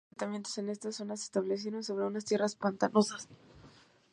Los primeros asentamientos en esta zona se establecieron sobre unas tierras pantanosas.